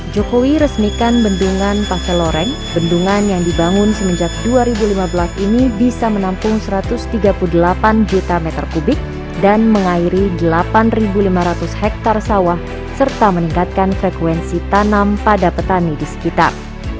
jokowi resmikan bendungan pasir loreng bendungan yang dibangun semenjak dua ribu lima belas ini bisa menampung satu ratus tiga puluh delapan juta meter kubik dan mengairi delapan lima ratus hektare sawah serta meningkatkan frekuensi tanam pada petani di sekitar